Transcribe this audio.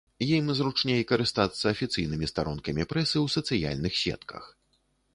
Ім зручней карыстацца афіцыйнымі старонкамі прэсы ў сацыяльных сетках.